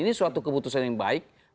ini suatu keputusan yang baik